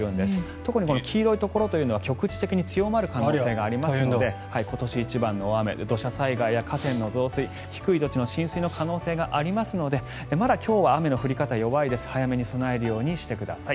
特に黄色いところは局地的に強まる可能性があるので今年一番の大雨土砂災害や河川の増水低い土地の浸水の可能性がありますのでまだ今日は雨の降り方弱いです早めに備えるようにしてください。